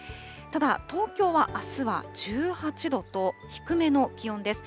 ただ、東京はあすは１８度と、低めの気温です。